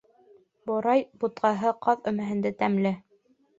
Борай бутҡаһы ҡаҙ өмәһендә тәмле.